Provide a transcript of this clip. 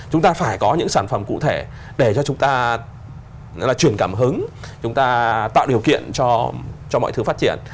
chúng ta phải có những sản phẩm cụ thể để cho chúng ta chuyển cảm hứng chúng ta tạo điều kiện cho mọi thứ phát triển